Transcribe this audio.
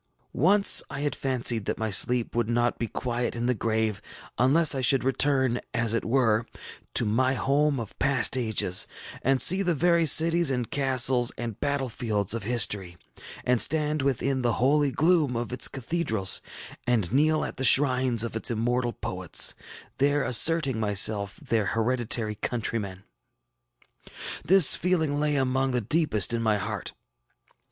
Once I had fancied that my sleep would not be quiet in the grave unless I should return, as it were, to my home of past ages, and see the very cities, and castles, and battle fields of history, and stand within the holy gloom of its cathedrals, and kneel at the shrines of its immortal poets, there asserting myself their hereditary countryman. This feeling lay among the deepest in my heart.